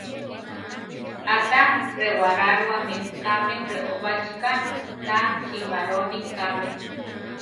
Áta rewaráruame kame reobachi ká, ta simaroni kame.